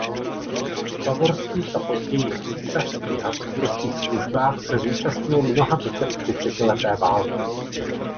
V bavorských a později v císařských habsburských službách se zúčastnil mnoha bitev třicetileté války.